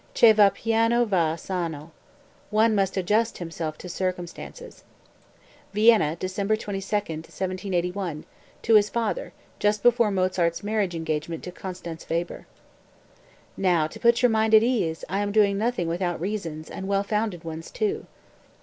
Che va piano va, sano. One must adjust himself to circumstances." (Vienna, December 22, 1781, to his father, just before Mozart's marriage engagement to Constanze Weber.) 205. "Now, to put your mind at ease, I am doing nothing without reasons, and well founded ones, too."